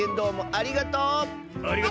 ありがとう！